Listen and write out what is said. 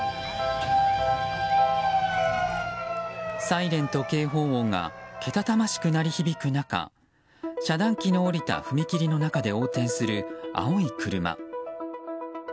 サイレンと警報音がけたたましく鳴り響く中遮断機の下りた踏切の中で横転する青い車。